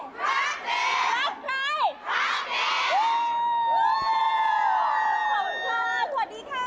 รักเลยรักเจมส์รักใครรักเจมส์รักใครรักเจมส์